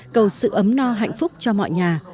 cầu sự ấm no hạnh phúc cho mọi nhà